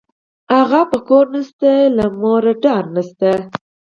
ابا په کور نه شته، له ادې ډار نه شته